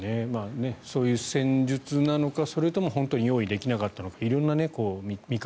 そういう戦術なのかそれとも本当に用意できなかったのか色んな見方。